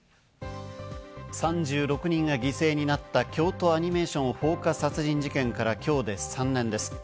３６人が犠牲になった京都アニメーション放火殺人事件から今日で３年です。